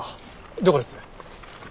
どこです？